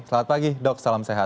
selamat pagi dok salam sehat